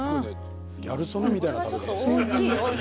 ギャル曽根みたいな食べ方。